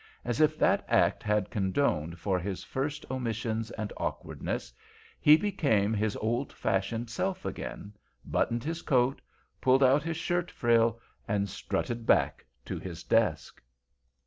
As if that act had condoned for his first omissions and awkwardness, he became his old fashioned self again, buttoned his coat, pulled out his shirt frill, and strutted back to his desk.